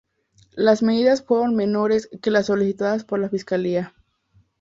Las medidas fueron menores que las solicitadas por la fiscalía.